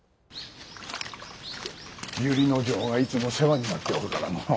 由利之丞がいつも世話になっておるからのう。